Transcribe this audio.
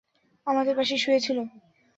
আমাদের পাশেই শুয়ে ছিল!